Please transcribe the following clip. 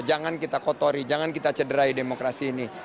jangan kita kotori jangan kita cederai demokrasi ini